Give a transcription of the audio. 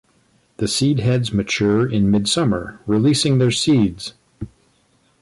The seed heads mature in mid-summer, releasing their seeds.